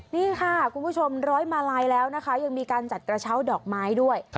นี่ค่ะคุณผู้ชมร้อยมาลัยแล้วนะคะยังมีการจัดกระเช้าดอกไม้ด้วย